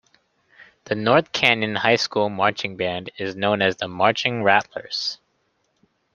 The North Canyon High School Marching Band is known as the Marching Rattlers.